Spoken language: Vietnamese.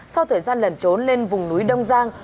sau thời gian lẩn trốn lên vùng núi đông giang